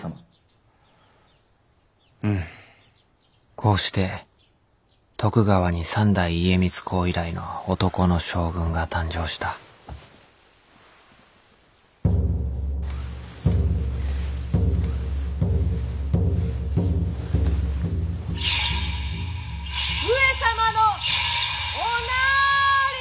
こうして徳川に三代家光公以来の男の将軍が誕生した上様のおなーりー。